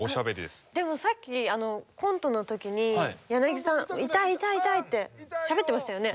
でもさっきコントのときにヤナギさん「痛い痛い痛い」ってしゃべってましたよね。